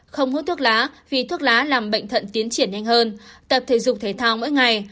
không hút thuốc lá vì thuốc lá làm bệnh thận tiến triển nhanh hơn tập thể dục thể thao mỗi ngày